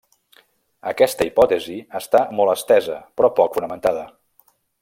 Aquesta hipòtesi està molt estesa, però poc fonamentada.